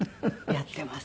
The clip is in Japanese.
やっています。